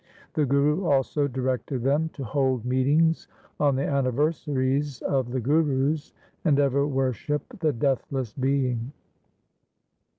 The Guru also directed them to hold meetings on the anniver saries of the Gurus, and ever worship the Deathless Being.